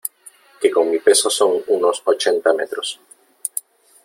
que con mi peso son unos ochenta metros .